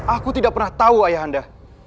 aku tidak pernah tahu ayah anda